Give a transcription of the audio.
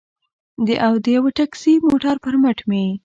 او د یوه ټکسي موټر پر مټ مې.